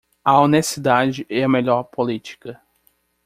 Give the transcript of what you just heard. A honestidade é a melhor política.